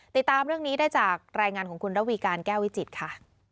ติดตามเรื่องนี้ได้จากรายงานของคุณระวีการแก้ววิจิตรค่ะ